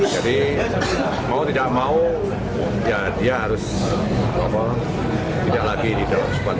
jadi mau tidak mau dia harus tidak lagi di dalam squad